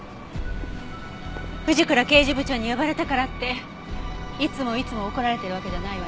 藤倉刑事部長に呼ばれたからっていつもいつも怒られてるわけじゃないわよ。